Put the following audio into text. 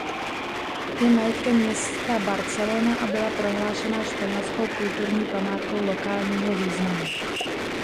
Je majetkem města Barcelona a byla prohlášena španělskou kulturní památkou lokálního významu.